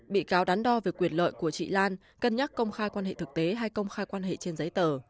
bị cáo đắn đo về quyền lợi của chị lan cân nhắc công khai quan hệ thực tế hay công khai quan hệ trên giấy tờ